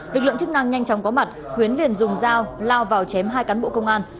lực lượng chức năng nhanh chóng có mặt huyến liền dùng dao lao vào chém hai cán bộ công an